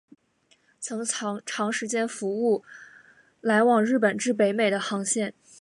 曾长时间服务来往日本至北美的航线。